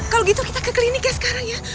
kalau gitu kita ke klinik ya sekarang ya